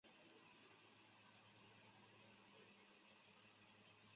柏林庄镇是中国山东省烟台市莱阳市下辖的一个镇。